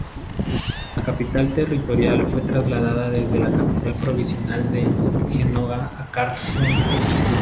La capital territorial fue trasladada desde la capital provisional de Genoa a Carson City.